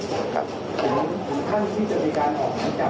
คำหรับจุดที่จะที่การออกแต่จาก